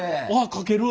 書ける！